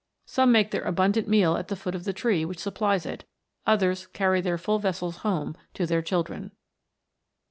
Some make their abundant meal at the foot of the tree which supplies it; others carry their full vessels home to their children."